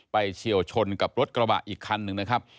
เฉียวชนกับรถกระบะอีกคันหนึ่งนะครับ